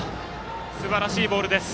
すばらしいボールです。